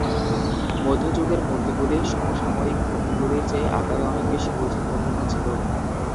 মধ্যযুগের মূর্তিগুলি সমসাময়িক মূর্তিগুলির চেয়ে আকারে অনেক বেশি বৈচিত্র্যপূর্ণ ছিল।